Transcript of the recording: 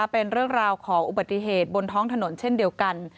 เป็นเรื่องราวของอุบัติเหตุบนท้องถนนเช่นเดียวกัน